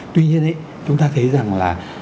tuy nhiên chúng ta thấy rằng là